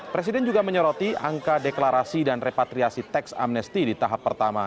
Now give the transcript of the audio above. presiden juga menyoroti angka deklarasi dan repatriasi teks amnesti di tahap pertama